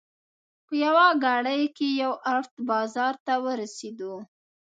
په یوه ګړۍ کې یو ارت بازار ته ورسېدو.